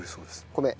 米。